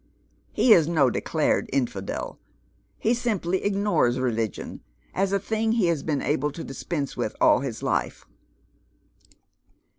He is no declared iofidel. He simply Ignores religion, as a thing he has been able to dispense with all his life.